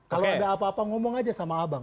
kalau ada apa apa ngomong aja sama abang